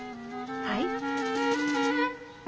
はい。